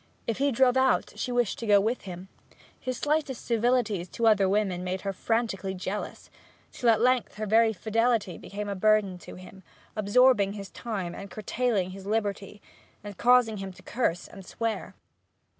If he drove out, she wished to go with him; his slightest civilities to other women made her frantically jealous; till at length her very fidelity became a burden to him, absorbing his time, and curtailing his liberty, and causing him to curse and swear.